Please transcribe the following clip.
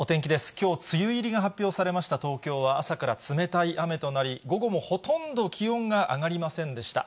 きょう、梅雨入りが発表されました東京は、朝から冷たい雨となり、午後もほとんど気温が上がりませんでした。